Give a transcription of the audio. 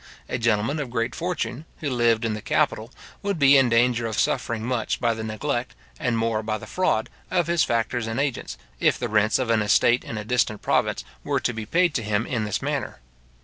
A gentleman of great fortune, who lived in the capital, would be in danger of suffering much by the neglect, and more by the fraud, of his factors and agents, if the rents of an estate in a distant province were to be paid to him in this manner.